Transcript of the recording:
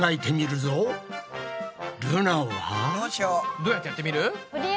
どうやってやってみる？